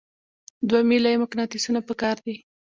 دوه میله یي مقناطیسونه پکار دي.